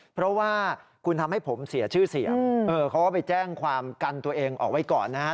เพราะว่าคุณทำให้ผมเสียชื่อเสียงเขาก็ไปแจ้งความกันตัวเองออกไว้ก่อนนะฮะ